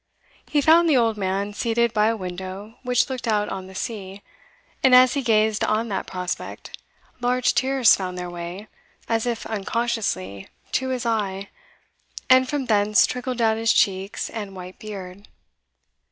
He found the old man seated by a window which looked out on the sea; and as he gazed on that prospect, large tears found their way, as if unconsciously, to his eye, and from thence trickled down his cheeks and white beard.